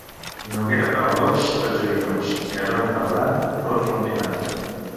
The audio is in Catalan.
Noguera per Alòs, tot joguinós; Garona per Aran, tot rondinant.